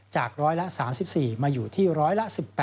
จากร้อยละ๓๔มาอยู่ที่ร้อยละ๑๘